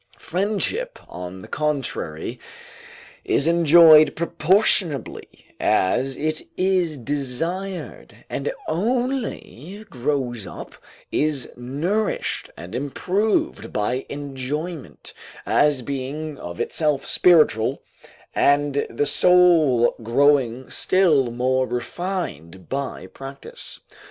Friendship, on the contrary, is enjoyed proportionably as it is desired; and only grows up, is nourished and improved by enjoyment, as being of itself spiritual, and the soul growing still more refined by practice.